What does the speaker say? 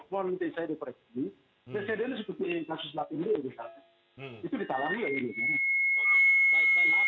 mengambil alih tanggung jawab